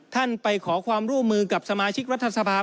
ท่านไปขอความร่วมมือกับสมาชิกรัฐสภา